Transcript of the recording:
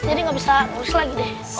jadi nggak bisa nulis lagi deh